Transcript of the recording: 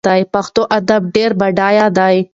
پښتو ادبيات ډېر بډايه دي.